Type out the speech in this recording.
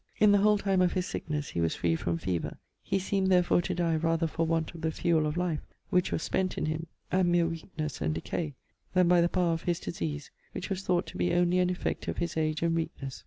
In the whole time of his sicknesse he was free from fever. He seemed therefore to dye rather for want of the fuell of life (which was spent in him) and meer weaknesse and decay, then by the power of his disease, which was thought to be onely an effect of his age and weaknesse.